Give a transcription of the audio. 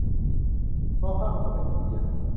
รอข้ามถนน ไปกินเบียร์